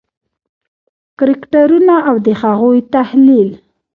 کرکټرونه او د هغوی تحلیل: